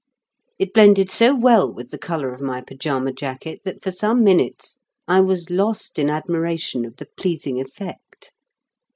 It blended so well with the colour of my pyjama jacket that for some minutes I was lost in admiration of the pleasing effect.